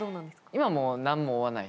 今はもう何も思わないです。